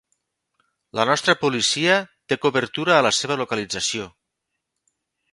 La nostra policia té cobertura a la seva localització.